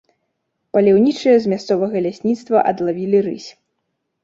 Паляўнічыя з мясцовага лясніцтва адлавілі рысь.